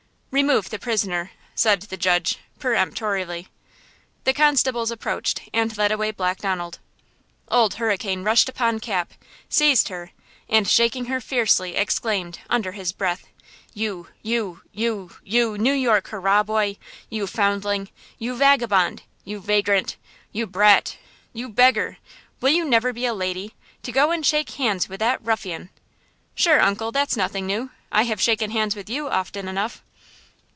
"Remove the prisoner," said the judge, peremptorily. The constables approached and led away Black Donald. Old Hurricane rushed upon Cap, seized her, and, shaking her fiercely, exclaimed, under his breath: "You–you–you–you New York hurrah boy! You foundling! You vagabond! You vagrant! You brat! You beggar! Will you never be a lady? To go and shake hands with that ruffian!" "Sure, uncle, that's nothing new; I have shaken hands with you often enough!"